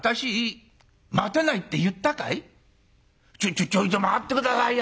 「ちょちょいと待って下さいよ。